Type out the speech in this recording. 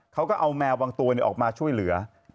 เขาก็เอาแมวบางตัวออกมาช่วยเหลือ